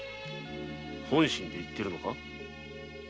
本心で言っているのか？